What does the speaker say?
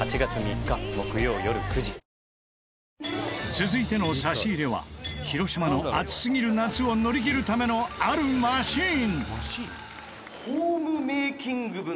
続いての差し入れは広島の暑すぎる夏を乗り切るためのあるマシン